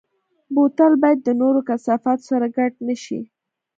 بوتل باید د نورو کثافاتو سره ګډ نه شي.